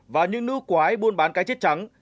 và những nữ quái buôn bán cái chết trắng